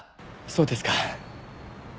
そうですか。